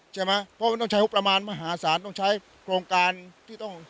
ใช่ไหมเพราะมันต้องใช้งบประมาณมหาศาลต้องใช้โครงการที่ต้อง